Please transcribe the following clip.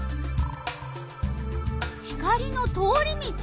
光の通り道。